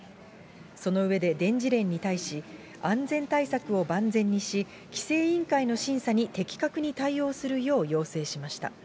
その上で、電事連に対し、安全対策を万全にし、規制委員会の審査に的確に対応するよう要請しました。